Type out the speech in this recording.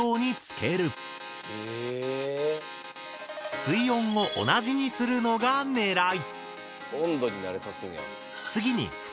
水温を同じにするのがねらい。